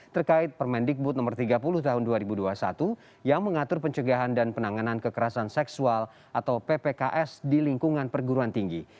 terkait permendikbud no tiga puluh tahun dua ribu dua puluh satu yang mengatur pencegahan dan penanganan kekerasan seksual atau ppks di lingkungan perguruan tinggi